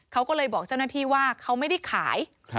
เขาก็เลยบอกเจ้าหน้าที่ว่าเขาไม่ได้ขาย